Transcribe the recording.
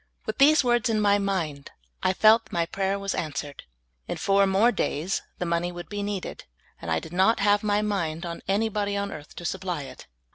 With these words in my mind, I felt that my pra3'er was answered. In four more days the money would be needed, and I did not have m}^ mind on any bod}^ on earth to supply it.